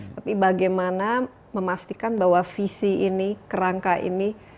tapi bagaimana memastikan bahwa visi ini kerangka ini